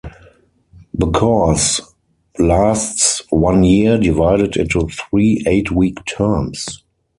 The course lasts one year, divided into three eight-week terms.